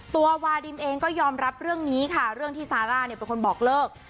ตัววาดิมเองก็ยอมรับเรื่องนี้ค่ะเรื่องที่ซาร่าเนี่ยเป็นคนบอกเลิก